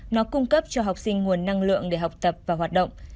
nó cung cấp cho học sinh nguồn năng lượng để học tập và hoạt động